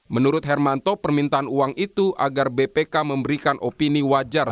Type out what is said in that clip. menurut hermanto permintaan uang itu agar bpk memberikan opini wajar